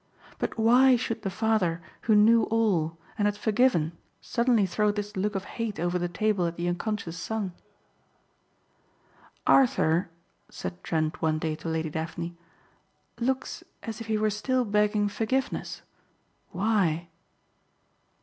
But why should the father who knew all and had forgiven suddenly throw this look of hate over the table at the unconscious son? "Arthur," said Trent one day to Lady Daphne, "looks as if he were still begging forgiveness. Why?"